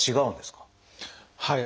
はい。